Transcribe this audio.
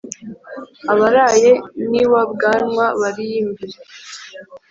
abaraye n'iwa bwanwa bariyimbire.